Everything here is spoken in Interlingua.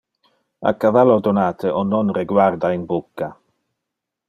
A cavallo donate on non reguarda in bucca.